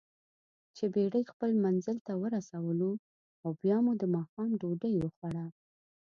چې بېړۍ خپل منزل ته ورسولواو بیا مو دماښام ډوډۍ وخوړه.